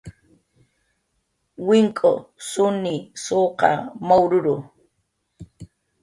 wink'u, suni , suqa , mawruru